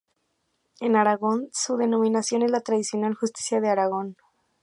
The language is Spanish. En Aragón su denominación es la tradicional: Justicia de Aragón.